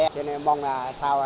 cho nên mong là sao